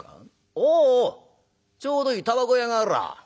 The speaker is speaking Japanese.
おうおうちょうどいいたばこ屋があらぁ。